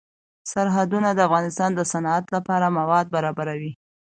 سرحدونه د افغانستان د صنعت لپاره مواد برابروي.